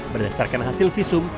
berdasarkan hasil visum